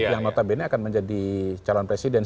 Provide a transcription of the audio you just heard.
yang notabene akan menjadi calon presiden